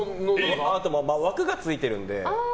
枠がついてるので。